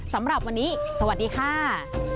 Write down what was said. สำหรับวันนี้สวัสดีค่ะ